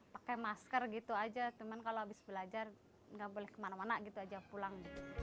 pakai masker gitu aja cuman kalau habis belajar nggak boleh kemana mana gitu aja pulang